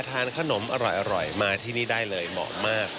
ทานขนมอร่อยมาที่นี่ได้เลยเหมาะมาก